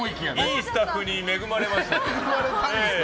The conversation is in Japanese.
いいスタッフに恵まれましたね。